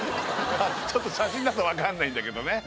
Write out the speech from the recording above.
ちょっと写真だとわかんないんだけどね